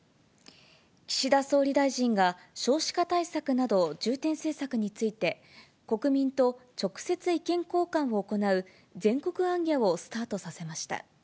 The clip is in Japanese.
岸田総理大臣が少子化対策など重点政策について、国民と直接意見交換を行う、全国行脚をスタートさせました。